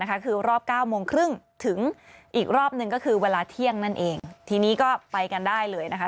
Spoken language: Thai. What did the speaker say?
และหนึ่งก็คือรอบ๙โมงครึ่งถึงอีกรอบนึงก็คือเวลาเที่ยงนั่นเองเที่ยงนี้ก็ไปกันได้เลยนะคะ